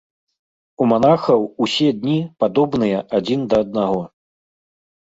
У манахаў усе дні падобныя адзін да аднаго.